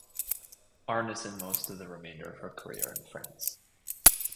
Arnesen most of the remainder of her career in France.